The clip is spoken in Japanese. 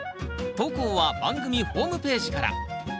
投稿は番組ホームページから。